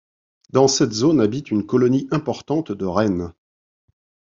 Dans cette zone habite une colonie importante de rennes.